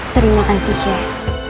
terima kasih kamon luka